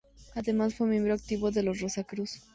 Además fue miembro activo de los Rosacruz.